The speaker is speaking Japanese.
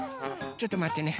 ちょっとまってね。